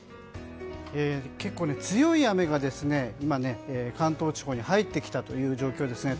結構強い雨が今、関東地方に入ってきたという状況ですね。